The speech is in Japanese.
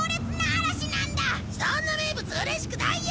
そんな名物うれしくないよ！